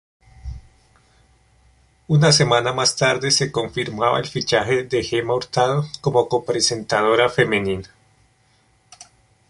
Una semana más tarde se confirmaba el fichaje de Gema Hurtado como copresentadora femenina.